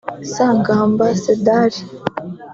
Sagamba Sedar